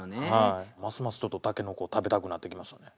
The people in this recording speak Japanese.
ますますちょっと筍を食べたくなってきましたね。